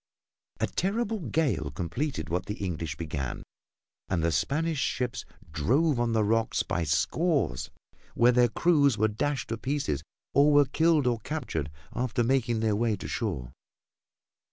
A terrible gale completed what the English began and the Spanish ships drove on the rocks by scores, where their crews were dashed to pieces or were killed or captured after making their way to shore.